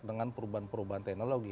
dengan perubahan perubahan teknologi